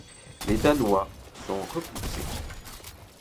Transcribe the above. Les Danois sont repoussés.